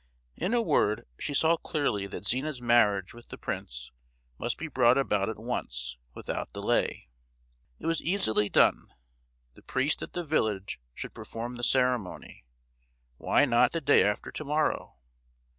In a word she saw clearly that Zina's marriage with the prince must be brought about at once, without delay! It was easily done: the priest at the village should perform the ceremony; why not the day after to morrow?